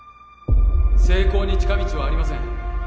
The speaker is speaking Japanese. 成功に近道はありません